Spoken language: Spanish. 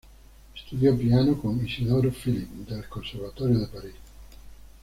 Estudió piano con Isidor Philipp, del Conservatorio de París.